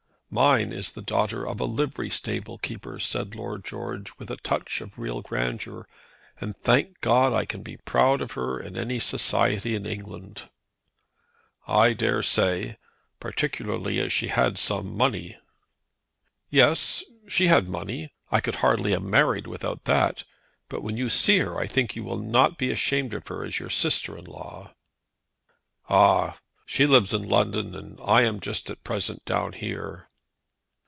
"Mine is the granddaughter of a livery stable keeper," said Lord George, with a touch of real grandeur; "and, thank God, I can be proud of her in any society in England." "I dare say; particularly as she had some money." "Yes; she had money. I could hardly have married without. But when you see her I think you will not be ashamed of her as your sister in law." "Ah! She lives in London and I am just at present down here."